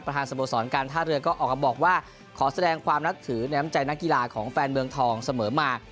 ทางสโมสรการท่าเรือก็ออกมาบอกว่าขอแสดงความนับถือในน้ำใจนักกีฬาของแฟนเมืองทองเสมอมา